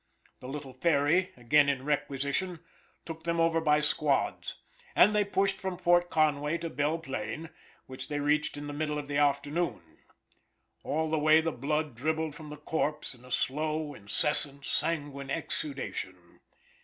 The little ferry, again in requisition, took them over by squads, and they pushed from Port Conway to Bell Plain, which they reached in the middle of the afternoon. All the way the blood dribbled from the corpse in a slow, incessant, sanguine exudation.